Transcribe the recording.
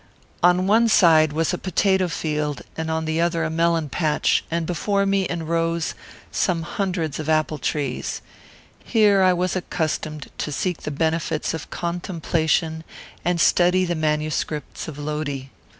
On one side was a potato field, on the other a melon patch; and before me, in rows, some hundreds of apple trees. Here I was accustomed to seek the benefits of contemplation and study the manuscripts of Lodi.